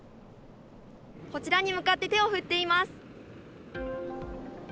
こちらに向かって手を振っています。